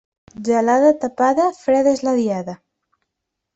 Gelada tapada, freda és la diada.